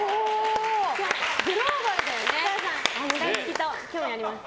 グローバルだよね。